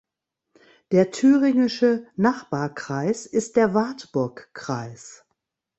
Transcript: Der thüringische Nachbarkreis ist der Wartburgkreis.